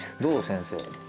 先生。